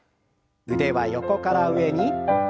腕は横から上に。